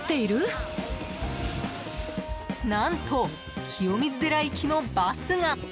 何と、清水寺行きのバスが！